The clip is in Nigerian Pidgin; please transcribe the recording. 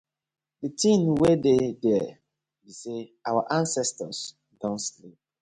Di tin wey dey dere bi say our ancestors don sleep.